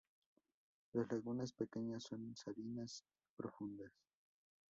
Las lagunas pequeñas son salinas y profundas.